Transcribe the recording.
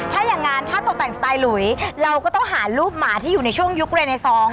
ถ้าอย่างนั้นถ้าตกแต่งสไตลหลุยเราก็ต้องหารูปหมาที่อยู่ในช่วงยุคเรเนซอง